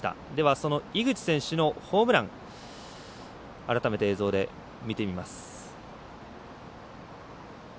その井口選手のホームラン改めて映像で見てみます。